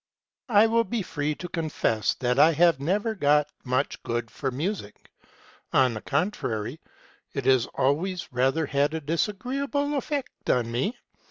" I will be free to confess that I never cared much for music : on the contrary, it has always rather had a disa greeable effect on me.